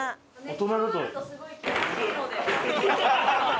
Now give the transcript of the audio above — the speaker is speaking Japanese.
大人だと。